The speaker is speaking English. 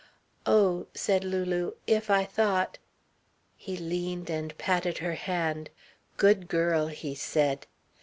"Oh," said Lulu, "if I thought " He leaned and patted her hand. "Good girl," he said.